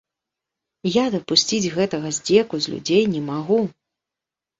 Я дапусціць гэтага здзеку з людзей не магу.